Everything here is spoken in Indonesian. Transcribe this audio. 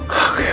harus ya el